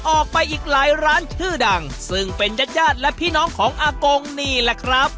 ออกไปอีกหลายร้านชื่อดังซึ่งเป็นญาติญาติและพี่น้องของอากงนี่แหละครับ